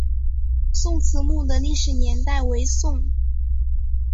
宋慈墓的历史年代为宋。